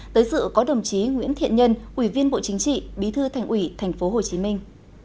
tới dự có đồng chí nguyễn thiện nhân ủy viên bộ chính trị bí thư thành ủy thành phố hồ chí minh